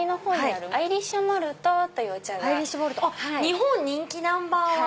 日本人気ナンバーワン。